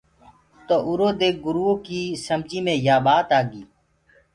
تو اُرو دي گُريو ڪي سمجي مي يآ ٻآت آگي۔